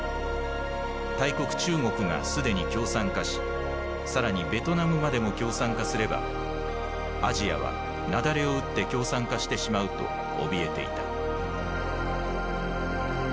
「大国中国が既に共産化し更にベトナムまでも共産化すればアジアは雪崩を打って共産化してしまう」とおびえていた。